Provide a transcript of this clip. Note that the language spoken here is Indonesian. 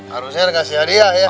harusnya kasih hadiah ya